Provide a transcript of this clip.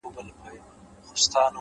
صبر د بریا د پخېدو موسم دی،